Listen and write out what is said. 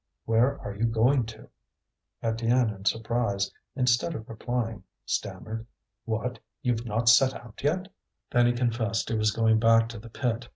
"Where are you going to?" Étienne, in surprise, instead of replying, stammered: "What! you've not set out yet!" Then he confessed he was going back to the pit.